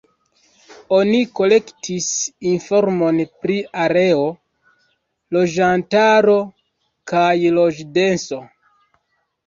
Oni kolektis informon pri areo, loĝantaro kaj loĝdenso.